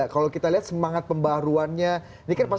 kalau kita lihat semangat pembaruannya